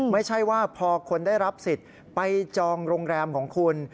ไม่ใช่ว่าพอคนได้รับสิทธิ์ไปจองโรงแรมของคุณ